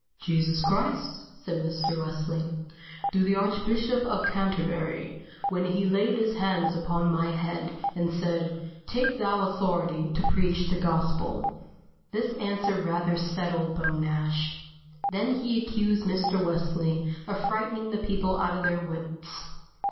"Jesus Christ," said Mr. Wesley, "through the Archbishop of Canterbury, when he laid his hands upon my head, and said: 'Take thou authority to preach the gospel.'" This answer rather settled Beau Nash. Then he accused Mr. Wesley of frightening the people out of their wits.